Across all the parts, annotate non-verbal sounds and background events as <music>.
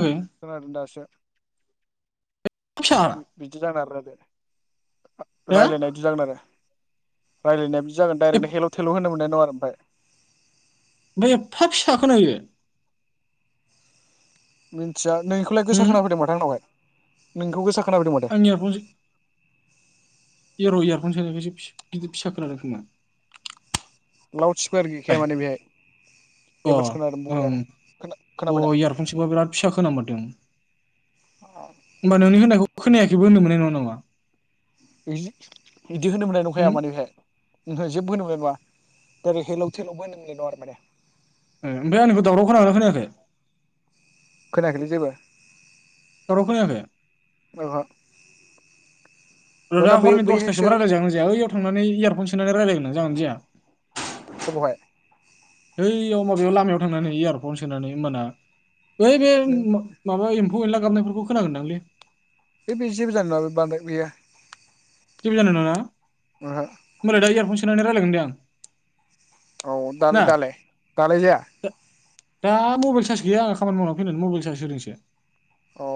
एफा फिसाना बिदि जानो <unintelligible> हो राय्लायनायदि जागोना। राय्लायनाय बि जागोन डरेक्ट हेल थेल होन मोननानै। नारफ एफा फिसाखौनो मिनथिया नोंखौलाय गोसा उम खोना होदों मानावाय। नोंखौ गोसा खोनाफैदों माथो आङया फुज। एर इयारफन स होनायखसो गिदिर फिसा खोनादों खोमा। लाव स्कुवार गैखाया माने बेहाय अ एभारस खोनादों बरि आरो ओं खोनाबाय दा। ओं होमबा नोंनि होनायखौ। खोनायाखैबो होननो मोननाय नङा। <inaudible> बिदि होनोमोनलाय उम नंखाया मानिहाय ओ जेबो होनोमोना। <unintelligible> रै हेलौ थेलावबो नोंल नआरो माने। ए ओमफ्राय आंनिखौ दावरावखौ लांना खोनायाखै। खोनाखैै जेबो दावराव खोनायाखै ओहो रदा नोंना बै हरनि दसथासो बैहायसो रायागोन जायाओयाव थां इयारर्ट सोन रायलायगोनों। जागोना जाया अबहाय ओइयाव माबायाव लामायाव थांनानै इयारफन सोनानै होनबाना ओइ बे नों माबा एम फौ एनला गाबनायफोरखौ खोनागोनदांलै। बे-बे जेबो जानाय नाबो बान्दा गैया। जेबो जानाय नङा ना मोनबावनाय दा इआरबन सोनानै रायज्लायगोन दै आं औ ना दा-दालाय दालाय जाया। दा मबाइल चार्ज गैया आं खामानि मावनानै फैनानै मबाइल चार्ज होदोंसो। औ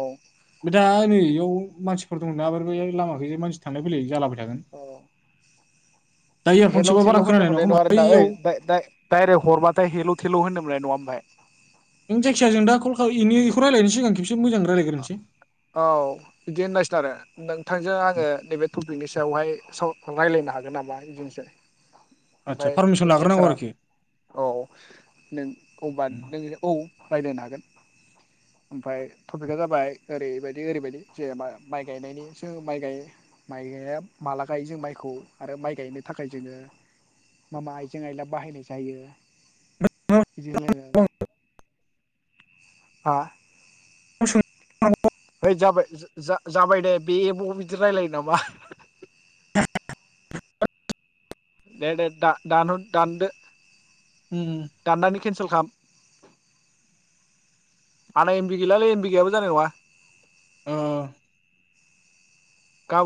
ओमफ्राय दा नै बेयाव मानसिफोर दंना बे लामााखै मानसि थांल फैाय जालाबा औ दा इयारफन हेल' सोबा थेल' बारा होनो खोनानाय मोन्नाय नङा खोमा आरो ना ओ बैयाव डाइरेक्ट हरबाथाय हेल' थेल' होनो लनाय नङा ओमफ्राय जों जायखिज जों दा कल खायलायनो सिगां खेबसे एसे मोजां रायजलायग्रोनसै औ बिदि होननांसिगोन आरो नों थांजों आङो नैबे टपिकनि सायावहाय रायज्लायनो हागोन नामा बिदिनोसै ओमफ्राय आदसा पारमिसन नोंनि लाग्रोनांगौ एन्सारा आरोखि औ नों एबा नों औ रायज्लायनो हागोन ओमफ्राय टपिकआ जाबाय ओरैबायदि ओरैबायदि जेनेबा माइ गायनायनि जों माइ ग माइ गाया माला गायो जों माइखौ आरो माइ गायनो थाखाय जोङो मा मा आइजें आइला बाहायनाय जायो। उम बिदिहोनलाय लायनानै आ <inaudible> हैओइ जाबाय जाबाय दे बे एमआव बिदि रायलायो नामा? <inaudible> दे दे दा दान हर दानदो उम उम दाननानै केनसेल खालाम आना एमबि गैलालै एमबि गैयाबो जानाय नङा ओ ओ ओ गाबोन